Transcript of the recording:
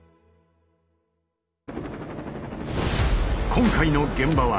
今回の現場は